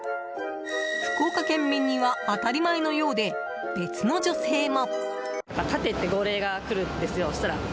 福岡県民には当たり前のようで別の女性も。